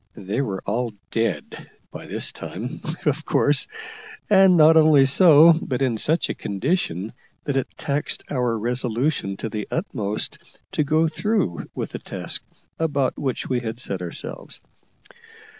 They were all dead by this time, of course, and not only so, but in such a condition that it taxed our resolution to the utmost to go through with the task about which we had set ourselves.